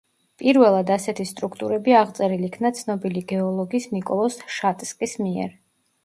პირველად ასეთი სტრუქტურები აღწერილ იქნა ცნობილი გეოლოგის ნიკოლოზ შატსკის მიერ.